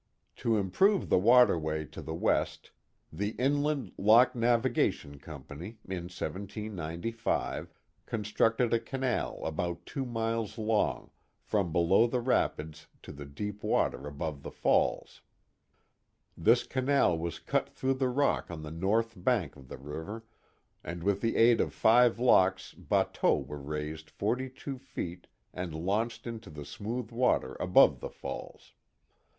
The Legend of Little Falls 375 To improve the waterway to the West, the Inland Lock Navigation Company, in 179S, constructed a canal about two miles long, from below the rapids to the deep water above the falls. This canal was cut through the rock on the north bank of the river, and with the aid of five locks bateaux were raised 42 feet and launched into the smooth water above the falls.